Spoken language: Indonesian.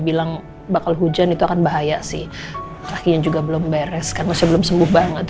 bilang bakal hujan itu akan bahaya sih kakinya juga belum beres kan masih belum sembuh banget